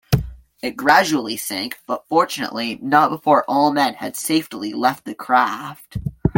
It gradually sank, but fortunately not before all men had safely left the craft.